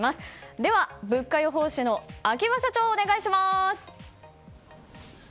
では物価予報士の秋葉社長お願いします！